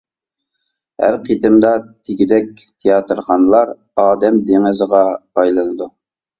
ھەر قېتىمدا دېگۈدەك تىياتىرخانىلار ئادەم دېڭىزىغا ئايلىنىدۇ.